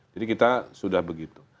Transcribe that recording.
jadi kita sudah begitu